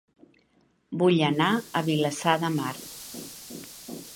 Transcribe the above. Vull anar a Vilassar de Mar